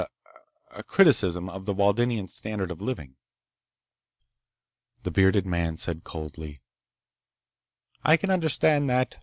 ah ... a criticism of the Waldenian standard of living." The bearded man said coldly: "I can understand that.